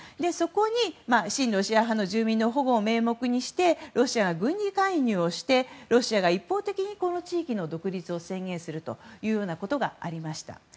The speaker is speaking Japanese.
そこに親ロシア派の住民の保護を名目にしてロシアが軍事介入をしてロシアが一方的にこの地域の独立を宣言することがありました。